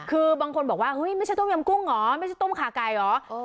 คือบางคนบอกว่าเฮ้ยไม่ใช่ต้มยำกุ้งเหรอไม่ใช่ต้มขาไก่เหรอ